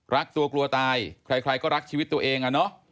รักตัวกลัวตายใครก็รักชีวิตตัวเองอะเนาะ